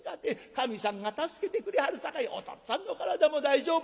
神さんが助けてくれはるさかいおとっつぁんの体も大丈夫や。